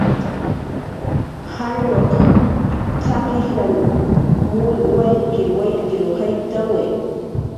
"jalluq t""ak ijran um waykir waykir jayt'awi"